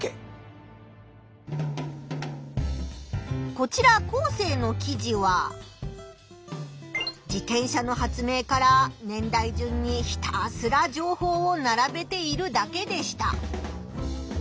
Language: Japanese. こちらコウセイの記事は自転車の発明から年代順にひたすら情報を並べているだけでした。